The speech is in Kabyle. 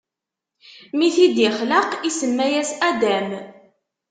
Mi t-id-ixleq, isemma-yas Adam.